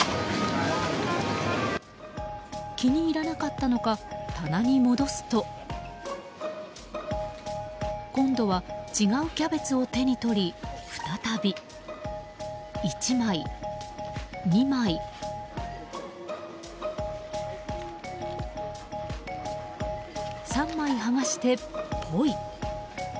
気に入らなかったのか棚に戻すと今度は違うキャベツを手に取り再び、１枚、２枚３枚剥がして、ポイ。